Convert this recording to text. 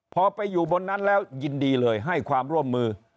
พอไปอยู่บนนั้นแล้วยินดีเลยให้ความร่วมมือ